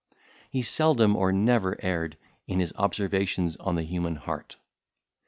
He seldom or never erred in his observations on the human heart.